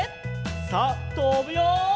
さあとぶよ！